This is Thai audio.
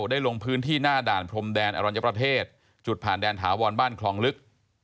ลงพื้นที่หน้าด่านพรมแดนอรัญญประเทศจุดผ่านแดนถาวรบ้านคลองลึก